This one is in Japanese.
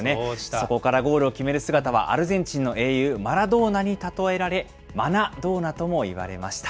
そこからゴールを決める姿は、アルゼンチンの英雄、マラドーナに例えられ、マナドーナともいわれました。